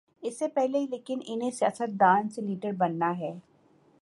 اس سے پہلے لیکن انہیں سیاست دان سے لیڈر بننا ہے۔